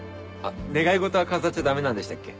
願い事は飾っちゃダメなんでしたっけ？